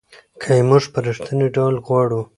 که یې موږ په رښتینې ډول غواړو .